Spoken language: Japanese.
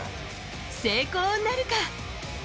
成功なるか。